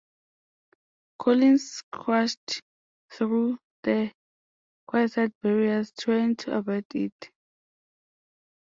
Collins crashed through the quayside barriers trying to avoid it.